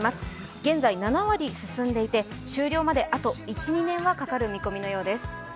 現在、７割進んでいて終了まであと１２年はかかる見込みです。